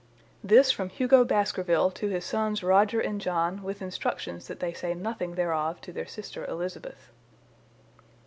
"[This from Hugo Baskerville to his sons Rodger and John, with instructions that they say nothing thereof to their sister Elizabeth.